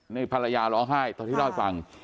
นี่ภรรยาร้องไห้ตอนที่เล่าให้ฟัง